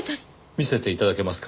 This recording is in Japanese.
見せて頂けますか？